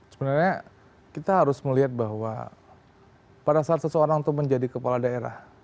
sebenarnya kita harus melihat bahwa pada saat seseorang itu menjadi kepala daerah